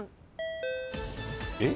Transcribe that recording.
えっ？